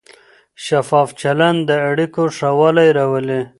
شفاف چلند د اړیکو ښه والی راولي.